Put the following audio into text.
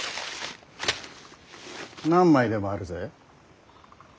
何枚でもあるぜ。